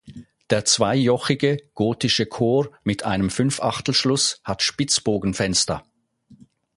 Der zweijochige gotische Chor mit einem Fünfachtelschluss hat Spitzbogenfenster.